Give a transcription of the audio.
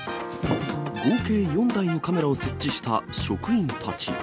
合計４台のカメラを設置した職員たち。